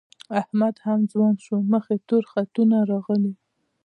احمد هم ځوان شو، مخ یې تور خطونه راغلي